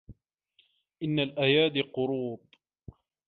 إن الأيادي قروض